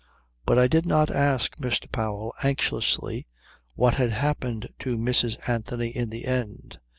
But I did not ask Mr. Powell anxiously what had happened to Mrs. Anthony in the end.